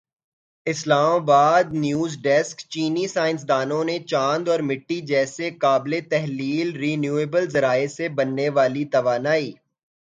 اسلام آبادنیو زڈیسکچینی سائنسدانوں نے چاند اور مٹی جیسے قابلِ تحلیل رینیوایبل ذرائع سے بننے والی توانائی